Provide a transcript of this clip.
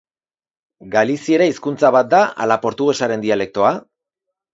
Galiziera hizkuntza bat da ala portugesaren dialektoa?